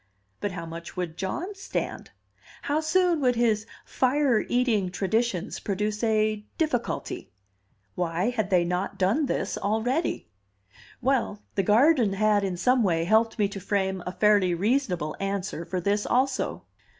But how much would John stand? How soon would his "fire eating" traditions produce a "difficulty"? Why had they not done this already? Well, the garden had in some way helped me to frame a fairly reasonable answer for this also.